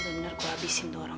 bener bener gua abisin tuh orang